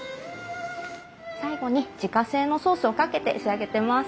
最後に自家製のソースをかけて仕上げてます。